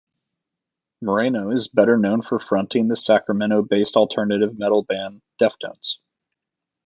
Moreno is better known for fronting the Sacramento-based alternative metal band Deftones.